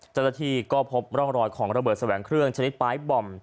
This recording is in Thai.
เจ้าหน้าที่ก็พบร่องรอยของระเบิดแสวงเครื่องชนิดปลายบอม